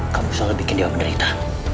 kamu selalu bikin dia menderita